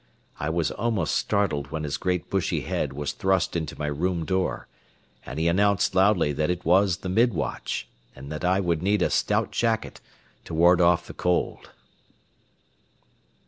I was almost startled when his great bushy head was thrust into my room door, and he announced loudly that it was the mid watch, and that I would need a stout jacket to ward off the cold.